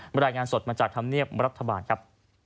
รายงานสดมาจากธรรมเนียบรัฐบาลครับ